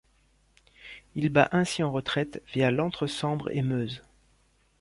Il bat ainsi en retraite via l'entre-Sambre-et-Meuse.